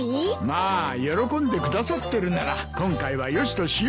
まあ喜んでくださってるなら今回はよしとしよう。